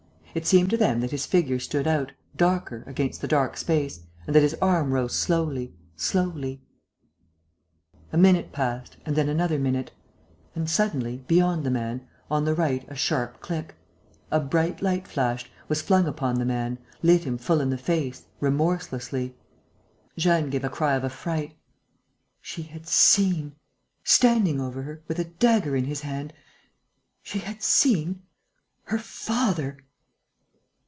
It seemed to them that his figure stood out, darker, against the dark space and that his arm rose slowly, slowly.... A minute passed and then another minute.... And, suddenly, beyond the man, on the right a sharp click.... A bright light flashed, was flung upon the man, lit him full in the face, remorselessly. Jeanne gave a cry of affright. She had seen standing over her, with a dagger in his hand she had seen ... her father!